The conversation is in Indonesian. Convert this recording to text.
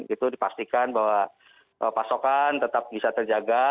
itu dipastikan bahwa pasokan tetap bisa terjaga